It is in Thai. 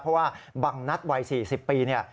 เพราะว่าบังนัดวัย๔๐ปีเนี่ย